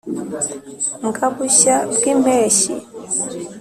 mbga bushya bwimpeshyi.